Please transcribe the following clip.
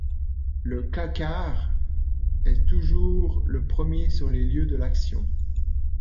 Le K-car est toujours le premier sur les lieux de l’action.